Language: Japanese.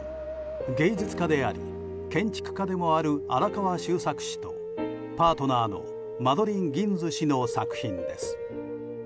芸術家であり建築家でもある荒川修作氏とパートナーのマドリン・ギンズ氏の作品です。